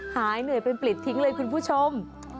หายเหนื่อยเป็นปลิดทิ้งเลยคุณผู้ชม